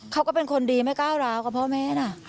เขาก็เป็นคนดีไม่ก้าวร้าวกับพ่อแม่นะ